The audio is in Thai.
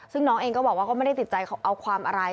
ซึ่งน้องเองก็บอกว่าก็ไม่ได้ติดใจเอาความอะไร